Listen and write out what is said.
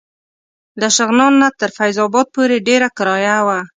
له شغنان نه تر فیض اباد پورې ډېره کرایه وه.